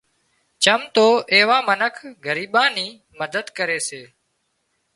چم تو ايوان منک ڳريٻان نِي مدد ڪري سي